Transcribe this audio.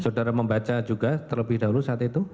saudara membaca juga terlebih dahulu saat itu